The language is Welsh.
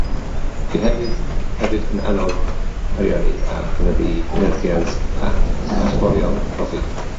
Bu hefyd yn annog, ariannu a chynyddu cynhyrchiant ac allforion coffi.